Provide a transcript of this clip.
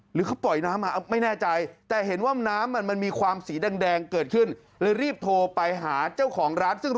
หรือเขาปล่อยน้ำมาไม่แน่ใจแต่เห็นว่าน้ำมันมีความสีแดงเกิดขึ้น